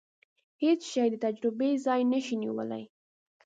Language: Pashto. هیڅ شی د تجربې ځای نشي نیولای.